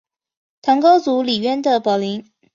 唐高祖李渊的宝林。